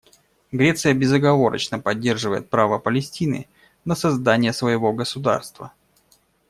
Греция безоговорочно поддерживает право Палестины на создание своего государства.